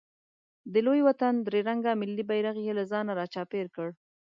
د لوی وطن درې رنګه ملي بیرغ یې له ځانه راچاپېر کړ.